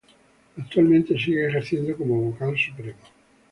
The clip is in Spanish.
Actualmente sigue ejerciendo como Vocal Supremo.